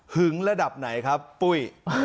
ึงระดับไหนครับปุ้ย